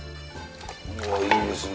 おぉいいですね。